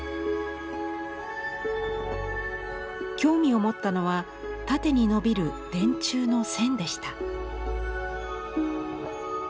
興味を持ったのは縦にのびる電柱の線でした。